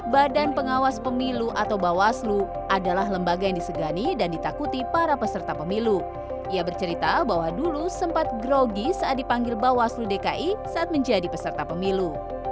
badan pengawas pemilu sempat gerogi saat dipanggil bawah selu dki saat menjadi peserta pemilu